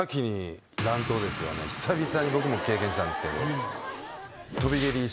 久々に僕も経験したんですけど。